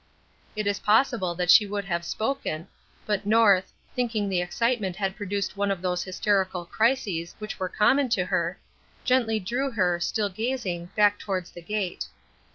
It is possible that she would have spoken, but North thinking the excitement had produced one of those hysterical crises which were common to her gently drew her, still gazing, back towards the gate.